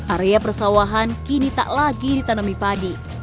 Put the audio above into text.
area persawahan kini tak lagi ditanami padi